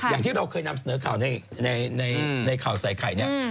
อย่างที่เราเคยนำเสนอข่าวในข่าวใส่ไข่เนี่ย